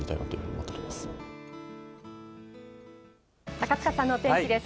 高塚さんのお天気です。